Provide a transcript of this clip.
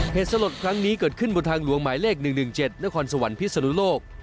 สลดครั้งนี้เกิดขึ้นบนทางหลวงหมายเลข๑๑๗นครสวรรค์พิศนุโลก